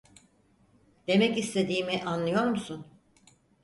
Demek istediğimi anlıyor musun?